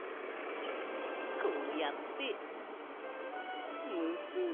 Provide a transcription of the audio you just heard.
こうやってむすんでと。